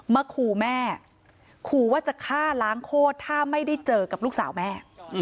มาขู่แม่ขู่ว่าจะฆ่าล้างโคตรถ้าไม่ได้เจอกับลูกสาวแม่